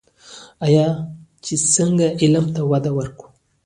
آیا چې څنګه علم ته وده ورکړو؟